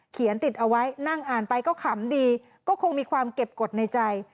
ติดเอาไว้นั่งอ่านไปก็ขำดีก็คงมีความเก็บกฎในใจ